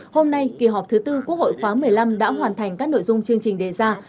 hôm nay kỳ họp thứ tư quốc hội khóa một mươi năm đã hoàn thành các nội dung chương trình đề ra